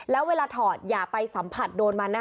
แล้วเวลาถอดอย่าไปสัมผัสโดนมันนะคะ